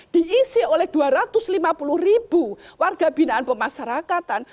diisi oleh dua ratus lima puluh warga binaan pemasyarakatan